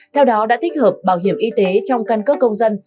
theo đó đã tích hợp bảo hiểm y tế trong căn cước công dân